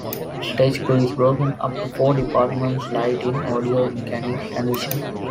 Stage Crew is broken up into four departments: lighting, audio, mechanics and vision.